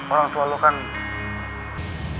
orang tua lu kan